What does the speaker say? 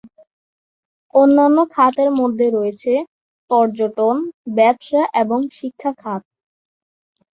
অন্যান্য খাতের মধ্যে রয়েছে, পর্যটন, ব্যবসা এবং শিক্ষা খাত।